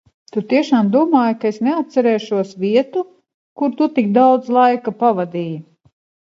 Tu tiešām domāji, ka es neatcerēšos vietu, kur tu tik daudz laika pavadīji?